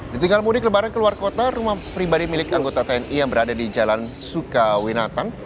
ditinggal mudik lebaran keluar kota rumah pribadi milik anggota tni yang berada di jalan sukawinatang